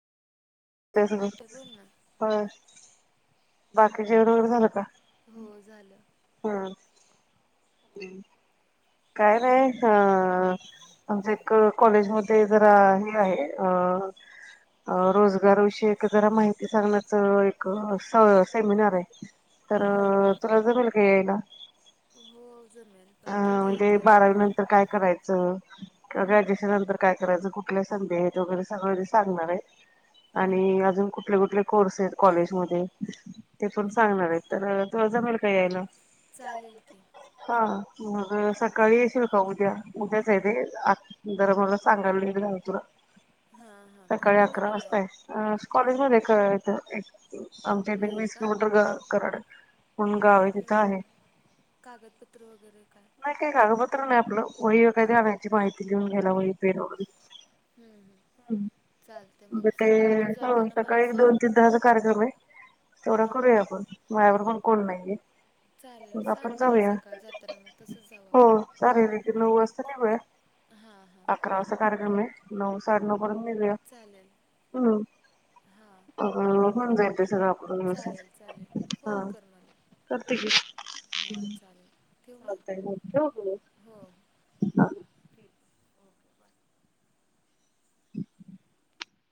ते घेऊन बोल ना हो बाकी जोर वर झाल का हो झालं हम् काय नाही ह त्या आमचे ओ कॉलेज मध्ये जरा हे आहे अ अ अ रोजगारविषयी जरा माहिती सांगण्याचा एक सेमिनार आहे तर हां हां र तुला जमेल का यायला हो जमेल अ पण कधी म्हणजे येते बारावी नंतर काय करायचं च किंवा हं, ग्रॅज्युएशन नंतर काय कुठल समजावयाच सगळ सागणार आहे हं, आणि अजून कुठल कुठल कोर्सेस कॉलेज मध्ये ते पण हं. सांगणार आहेत तर तुला जमेल का यायला चालेल ल की हा. मग सकाळी येशील का उद्या उद्याच आहे तेे आ जरा मला सांगायला तुला राहिल ह हां हां म् पण सकाळी अकरा कुणीकडं वाजताय आहे म कॉलेज मध्ये आमच्या इथ होय वीस का किलोमीटर वर कराड म्हणून गाव तिथं हं, आहे हं. कागदपत्र वगैरे रे नाही काय कागपत्र नाही आपलं वही व काय गावाची माहिती लिहून घ्यायला वही पेन वगैरे हम्म हम्म म म हम् म बर ते हो जाताना मला सकाळी सांग दोन ते दहाचा कार्यक्रम आहे तेवढा हां करूया आपण याबरोबर पण कोण नाहीये चालेल मग सांग आपण म मला जाऊया. सकाळ जाताना मग तसंच जाऊ हो आपण चालेल र नऊ वाजता निघुया हां हां अकरा वाजता कार्यक्रम आहे नऊ साडेनऊ पर्यंत निघूया चालेल हम् हां अग होऊन जाते सगळ चालेल चालेल ल फोन कर मला हा चालेल ठेवू नतर मग बोलतो मग हो ह हम् म म